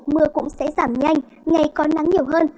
mưa cũng sẽ giảm nhanh ngày có nắng nhiều hơn